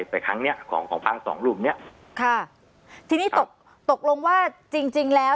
แต่ครั้งเนี้ยของของพระสองรูปเนี้ยค่ะทีนี้ตกตกลงว่าจริงจริงแล้ว